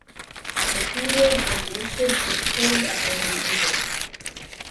The peerage was instead bestowed upon his widow.